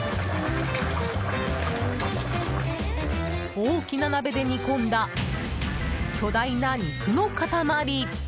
大きな鍋で煮込んだ巨大な肉の塊！